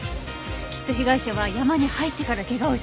きっと被害者は山に入ってから怪我をしたのよ。